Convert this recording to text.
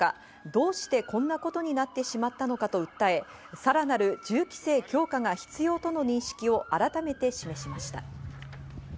どうしてこんなことになってしまったのかと訴え、さらなる銃規制強化が必要との認識を改めて示しました。